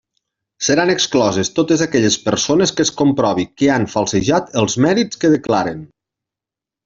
Seran excloses totes aquelles persones que es comprovi que han falsejat els mèrits que declaren.